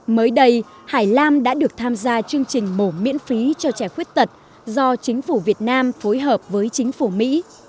mới đây hải lam đã được tham gia chương trình mổ miễn phí cho trẻ khuyết tật do chính phủ việt nam phối hợp với chính phủ mỹ